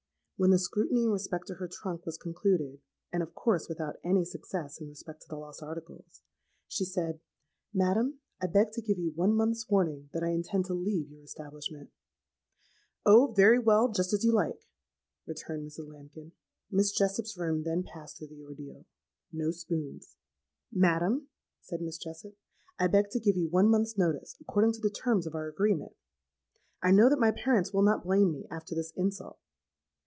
When the scrutiny in respect to her trunk was concluded,—and, of course, without any success in respect to the lost articles,—she said, 'Madam, I beg to give you one month's warning that I intend to leave your establishment.'—'Oh! very well: just as you like,' returned Mrs. Lambkin.—Miss Jessop's room then passed through the ordeal. No spoons. 'Madam,' said Miss Jessop, 'I beg to give you one month's notice, according to the terms of our agreement. I know that my parents will not blame me, after this insult.'